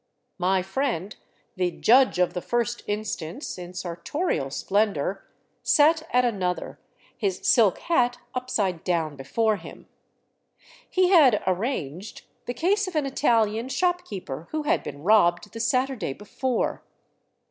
My friend, the " Judge of the First Instance," in sartorial splendor, sat at another, his silk hat upside down before him. He had " arranged " the case of an Italian shopkeeper who had been robbed the Saturday before.